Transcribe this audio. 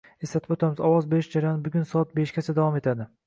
Eslatib oʻtamiz, ovoz berish jarayoni bugun soat beshgacha davom etadi.